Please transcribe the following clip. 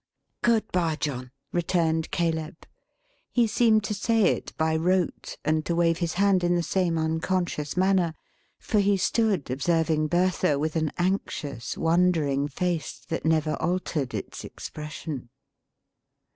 "Good bye John," returned Caleb. He seemed to say it by rote, and to wave his hand in the same unconscious manner; for he stood observing Bertha with an anxious wondering face, that never altered its expression.